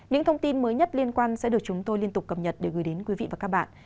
những thông tin mới nhất liên quan sẽ được chúng tôi liên tục cập nhật để gửi đến quý vị và các bạn